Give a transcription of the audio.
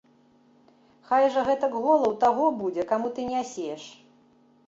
Хай жа гэтак гола ў таго будзе, каму ты нясеш.